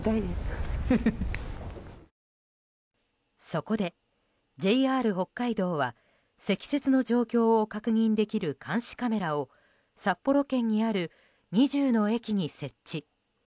そこでＪＲ北海道は積雪の状況を確認できる監視カメラを札幌圏にある２０の駅に設置。